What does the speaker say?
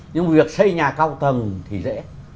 nhưng việc xây nhà cao tầng thì dễ